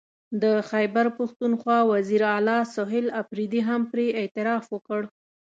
د خیبر پښتونخوا وزیر اعلی سهیل اپريدي هم پرې اعتراف وکړ